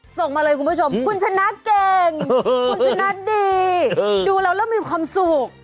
ส่งมาเลยคุณผู้ชมคุณชนะเก่งคุณชนะดีดูแล้วเริ่มมีความสุข